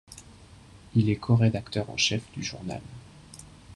Il est corédacteur en chef du journal '.